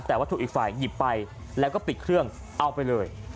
แต่ว่าถูกอีกฝ่ายหยิบไปแล้วก็ปิดเครื่องเอาไปเลย